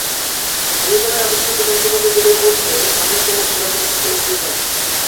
নিউটনের আবিষ্কৃত যন্ত্রপাতিগুলোর মধ্যে অন্যতম সেরা যন্ত্র ছিল প্রিজম।